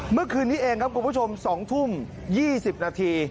เมื่อคืนนี้เองครับคุณผู้ชม๒ทุ่ม๒๐นาที